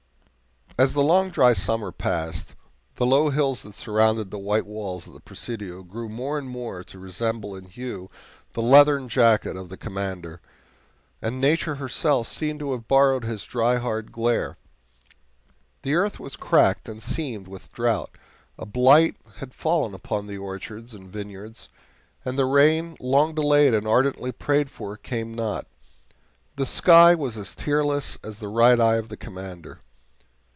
As the long dry summer passed, the low hills that surrounded the white walls of the Presidio grew more and more to resemble in hue the leathern jacket of the Commander, and Nature herself seemed to have borrowed his dry, hard glare. The earth was cracked and seamed with drought; a blight had fallen upon the orchards and vineyards, and the rain, long delayed and ardently prayed for, came not. The sky was as tearless as the right eye of the Commander.